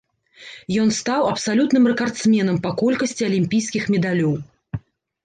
Ён стаў абсалютным рэкардсменам па колькасці алімпійскіх медалёў.